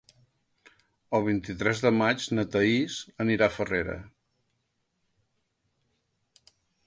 El vint-i-tres de maig na Thaís anirà a Farrera.